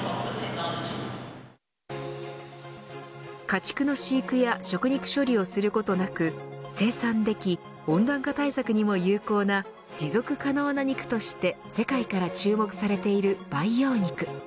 家畜の飼育や食肉処理をすることなく生産でき温暖化対策にも有効な持続可能な肉として世界から注目されている培養肉。